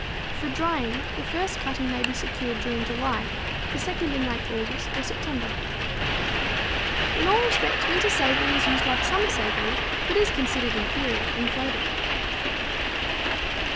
For drying, the first cutting may be secured during July, the second in late August or September. In all respects winter savory is used like summer savory, but is considered inferior in flavor.